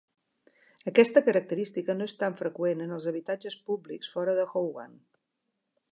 Aquesta característica no és tan freqüent en els habitatges públics fora de Hougang.